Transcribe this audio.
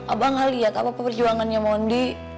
abah gak liat apa apa perjuangannya mondi